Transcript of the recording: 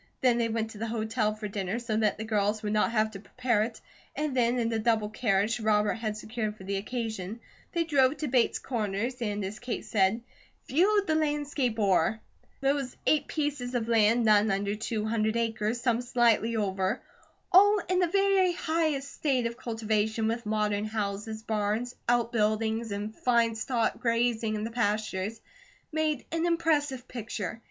Then they went to the hotel for dinner, so that the girls would not have to prepare it, and then in a double carriage Robert had secured for the occasion, they drove to Bates Corners and as Kate said, "Viewed the landscape o'er." Those eight pieces of land, none under two hundred acres, some slightly over, all in the very highest state of cultivation, with modern houses, barns, outbuildings, and fine stock grazing in the pastures, made an impressive picture.